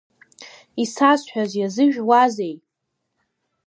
Исазҳәаз иазыжәуазеи?